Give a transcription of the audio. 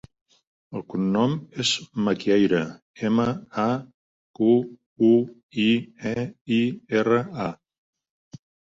El cognom és Maquieira: ema, a, cu, u, i, e, i, erra, a.